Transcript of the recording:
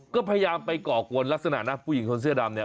ก็พยายามไปก่อกวนลักษณะนะผู้หญิงคนเสื้อดำเนี่ย